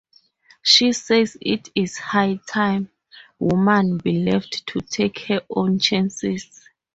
She says it is "high time" woman "be left to take her own chances".